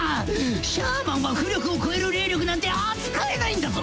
シャーマンは巫力を超える霊力なんて扱えないんだぞ。